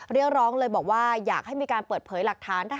เรียกร้องเลยบอกว่าอยากให้มีการเปิดเผยหลักฐาน